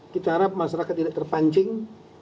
kita harap masyarakat tidak terpancing